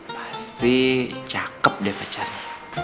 pasti cakep deh pacarnya